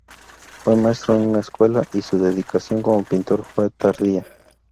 Fue maestro en una escuela y su dedicación como pintor fue tardía.